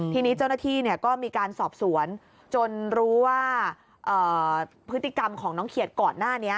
ทีนี้เจ้าหน้าที่ก็มีการสอบสวนจนรู้ว่าพฤติกรรมของน้องเขียดก่อนหน้านี้